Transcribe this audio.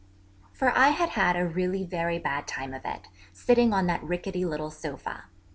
For I had had a really very bad time of it, sitting on that rickety little sofa.